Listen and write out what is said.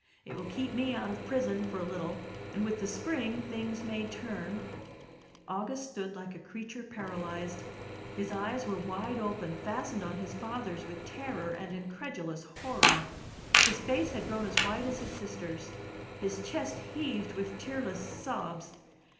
It will keep me out of prison for a Uttle, and with the spring things may turn —August stood like a creature paralyzed. His eyes were wide open, fastened on his father's with terror and incredulous horror; his face had grown as white as his sister's; his chest heaved with tearless sobs.